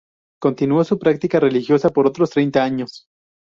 Continuó su práctica religiosa por otros treinta años.